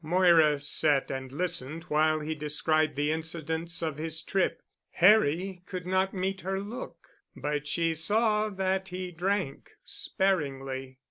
Moira sat and listened while he described the incidents of his trip. Harry could not meet her look, but she saw that he drank sparingly.